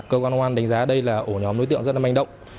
cơ quan công an đánh giá đây là ổ nhóm đối tượng rất là manh động